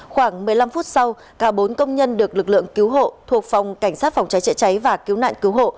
khoảng một mươi năm phút sau cả bốn công nhân được lực lượng cứu hộ thuộc phòng cảnh sát phòng cháy chữa cháy và cứu nạn cứu hộ